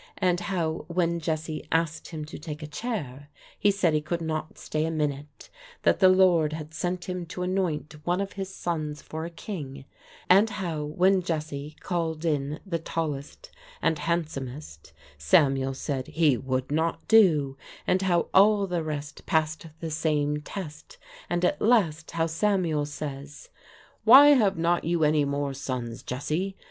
and how, when Jesse asked him to take a chair, he said he could not stay a minute; that the Lord had sent him to anoint one of his sons for a king; and how, when Jesse called in the tallest and handsomest, Samuel said "he would not do;" and how all the rest passed the same test; and at last, how Samuel says, "Why, have not you any more sons, Jesse?"